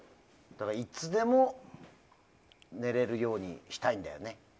いつでも寝れるようにしたいんだよね。